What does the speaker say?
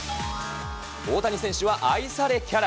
大谷選手は愛されキャラ。